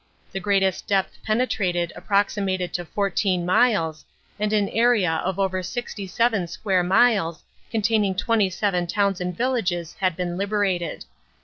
The greatest depth pene trated approximated to 14 miles, and an area of over 67 square miles containing 27 towns and villages had been liberated.